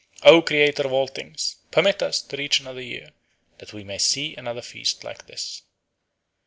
O Creator of all things, permit us to reach another year, that we may see another feast like this."